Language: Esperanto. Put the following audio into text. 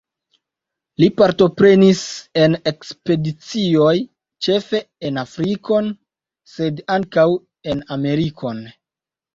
Li partoprenis en ekspedicioj, ĉefe en Afrikon, sed ankaŭ en Amerikon.